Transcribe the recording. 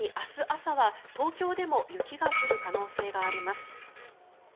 朝は東京でも雪が降る可能性があります。